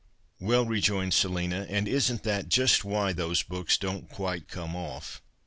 "" Well," rejoined Selina, " and isn't that just why those books don't quite come off